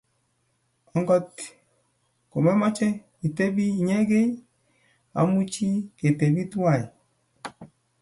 Angot komemoche itepi inyegei, amuchi ketepi tuwai.